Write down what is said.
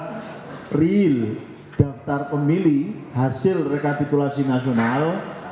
kita real daftar pemilih hasil rekapitulasi nasional